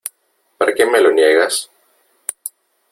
¿ para qué me lo niegas ?